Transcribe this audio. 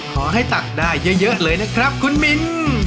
ตักได้เยอะเลยนะครับคุณมิน